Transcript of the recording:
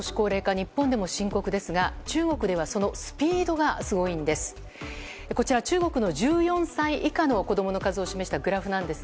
日本でも深刻ですが中国ではそのスピードがすごいんです。